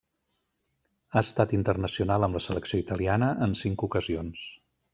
Ha estat internacional amb la selecció italiana en cinc ocasions.